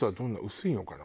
薄いのかな？